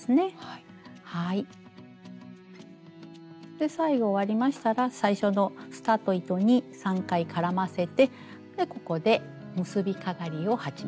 で最後終わりましたら最初のスタート糸に３回絡ませてここで結びかがりを始めます。